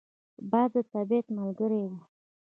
باد د طبیعت ملګری دی